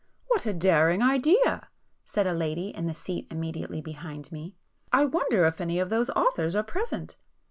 "What a daring idea!" said a lady in the seat immediately behind me—"I wonder if any of those authors are present!"